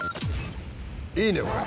いいねこれ。